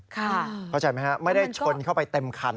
เข้าใจไหมฮะไม่ได้ชนเข้าไปเต็มคัน